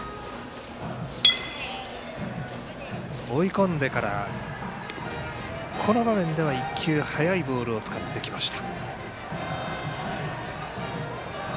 追い込んでから、この場面では１球、速いボールを使ってきました。